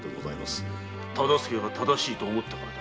大岡が正しいと思ったからだ。